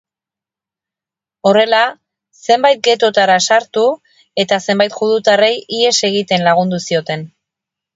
Horrela, zenbait ghettoetara sartu eta zenbait judutarrei ihes egiten lagundu zioten.